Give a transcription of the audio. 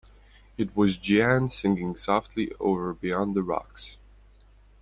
It was Jeanne singing softly over beyond the rocks.